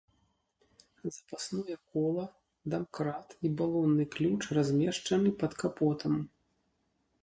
Запасное кола, дамкрат і балонны ключ размешчаны пад капотам.